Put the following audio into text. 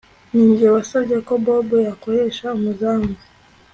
Ninjye wasabye ko Bobo yakoresha umuzamu